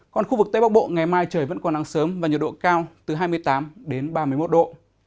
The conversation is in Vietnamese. còn khu vực tây bắc bộ ngày mai trời vẫn còn nắng sớm và nhiệt độ cao từ hai mươi tám đến ba mươi một độ